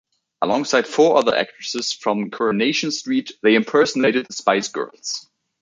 Alongside four other actresses from "Coronation Street", they impersonated the Spice Girls.